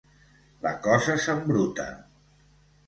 La cosa s'embruta!